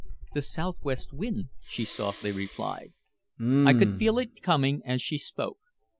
"The southwest wind," she softly replied. I could feel it coming as she spoke.